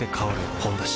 「ほんだし」